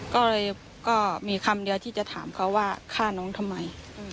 ก็เลยก็มีคำเดียวที่จะถามเขาว่าฆ่าน้องทำไม